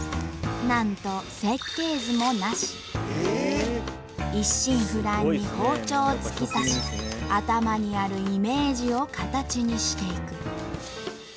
なんと一心不乱に包丁を突き刺し頭にあるイメージを形にしていく。